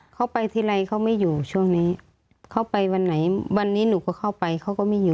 เขาไปทีไรเขาไม่อยู่ช่วงนี้เขาไปวันไหนวันนี้หนูก็เข้าไปเขาก็ไม่อยู่